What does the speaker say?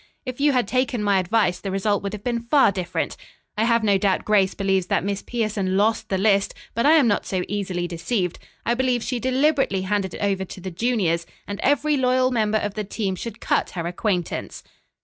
If you had taken my advice the result would have been far different. I have no doubt Grace believes that Miss Pierson lost the list, but I am not so easily deceived. I believe she deliberately handed it over to the juniors, and every loyal member of the team should cut her acquaintance."